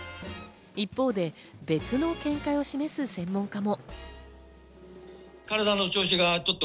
一方で別の見解を示す専門家も。